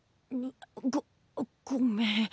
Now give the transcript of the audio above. ごごめん。